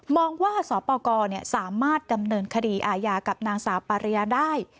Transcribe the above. องว่าสปกรสามารถดำเนินคดีอาญากับนางสาวปาริยาได้